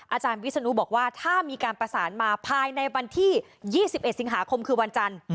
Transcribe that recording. อาจารย์วิศนุบอกว่าถ้ามีการประสานมาภายในวันที่๒๑สิงหาคมคือวันจันทร์